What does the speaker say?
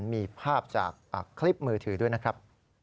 มีภาพจากคลิปมือถือด้วยนะครับ